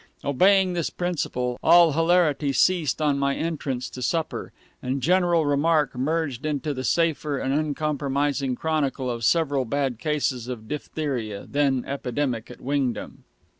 Obeying this principle, all hilarity ceased on my entrance to supper, and general remark merged into the safer and uncompromising chronicle of several bad cases of diphtheria, then epidemic at Wingdam.